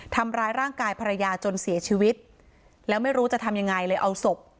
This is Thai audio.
ทำร้ายร่างกายภรรยาจนเสียชีวิตแล้วไม่รู้จะทำยังไงเลยเอาศพ